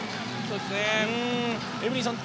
エブリンさん